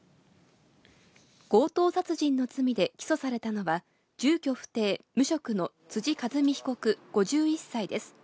強盗殺人の罪で起訴されたのは、住居不定・無職の辻和美被告５１歳です。